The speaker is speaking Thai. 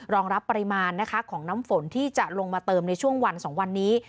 รองรับปริมาณนะคะของน้ำฝนที่จะลงมาเติมในช่วงวัน๒วันนี้